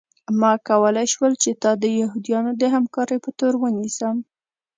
ما کولی شول چې تا د یهودانو د همکارۍ په تور ونیسم